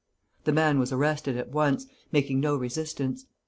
The man was arrested at once, making no resistance.